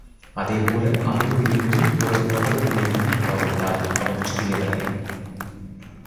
அதேபோல அறிவுஇருந்தும் பிறர் தவறுகளை மன்னிக்காவிட்டால் அவன் சிறியவனே.